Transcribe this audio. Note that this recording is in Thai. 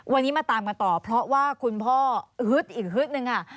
วันนี้มาตามกันต่อเพราะว่าคุณพ่อฮึดอีกฮึดหนึ่งค่ะ